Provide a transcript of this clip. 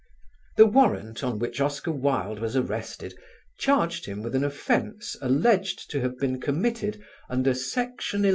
The warrant on which Oscar Wilde was arrested charged him with an offence alleged to have been committed under Section xi.